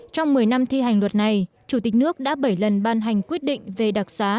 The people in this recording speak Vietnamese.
trong một mươi năm thi hành luật này chủ tịch nước đã bảy lần ban hành quyết định về đặc xá